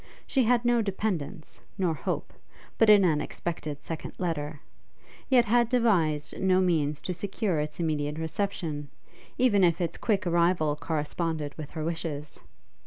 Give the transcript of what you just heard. She had no dependence, nor hope, but in an expected second letter, yet had devised no means to secure its immediate reception, even if its quick arrival corresponded with her wishes.